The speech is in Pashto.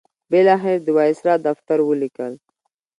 بالاخره د وایسرا دفتر ولیکل.